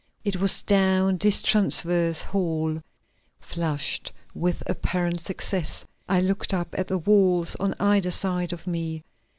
It was down this transverse hall. Flushed with apparent success, I looked up at the walls on either side of me.